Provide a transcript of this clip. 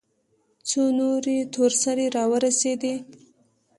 څو نورې تور سرې راورسېدې.